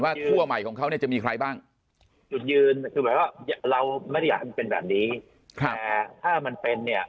ว่าทั่วใหม่ของเขาจะมีใครบ้างจุดยืนเราไม่ได้อยากทำเป็นแบบนี้แต่ถ้ามันเป็นเนี่ย